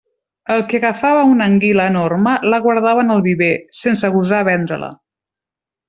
El qui agafava una anguila enorme, la guardava en el viver, sense gosar vendre-la.